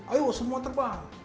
ayo semua terbang